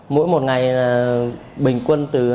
mỗi một ngày bình quân từ hai đến ba lần